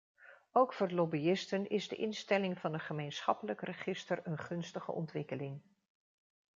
Ook voor lobbyisten is de instelling van een gemeenschappelijk register een gunstige ontwikkeling.